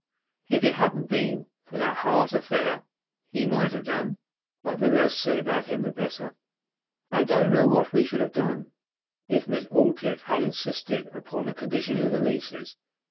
If it hadn't been for that heart affair, he might have done but the less said about him the better. I don't know what we should have done if Miss Aldclyffe had insisted upon the conditions of the leases.